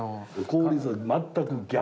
効率は全く逆。